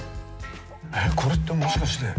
これってもしかして。